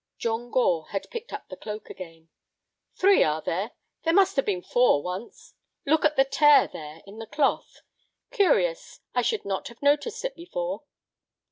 John Gore had picked up the cloak again. "Three, are there? There must have been four once. Look at the tear, there—in the cloth. Curious; I should not have noticed it before."